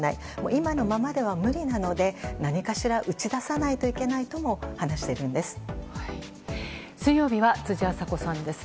今のままでは無理なので何かしら打ち出さないといけないとも水曜日は辻愛沙子さんです。